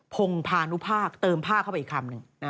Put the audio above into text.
พงพานุภาคเติมผ้าเข้าไปอีกคำหนึ่ง